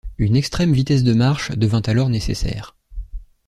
Une extrême vitesse de marche devint alors nécessaire.